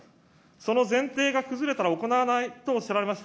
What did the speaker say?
その前提が崩れたら行わないとおっしゃられます。